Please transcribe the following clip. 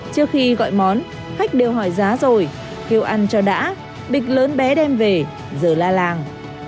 trước khi gọi món khách đều hỏi giá rồi kêu ăn cho đã bịch lớn bé đem về giờ la làng